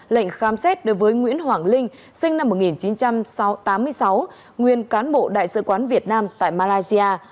lệnh khám xét đối với nguyễn hoàng linh sinh năm một nghìn chín trăm tám mươi sáu nguyên cán bộ đại sứ quán việt nam tại malaysia